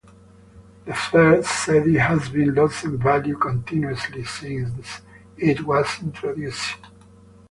The third Cedi has been losing value continuously since it was introduced.